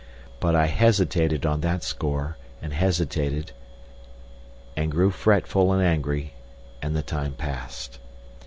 But I hesitated on that score, and hesitated, and grew fretful and angry, and the time passed.